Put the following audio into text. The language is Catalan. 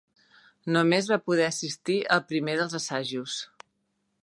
Només va poder assistir al primer dels assajos.